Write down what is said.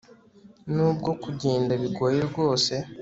nubwo kugenda bigoye rwose